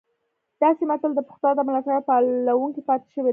دا سیمه تل د پښتو ادب ملاتړې او پالونکې پاتې شوې ده